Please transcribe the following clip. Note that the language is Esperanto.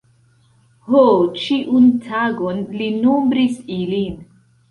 Ho, ĉiun tagon li nombris ilin.